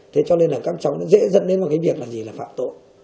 thế cho nên là các cháu nó dễ dẫn đến một cái việc là gì là phạm tội